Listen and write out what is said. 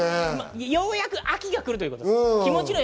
ようやく秋が来るということです。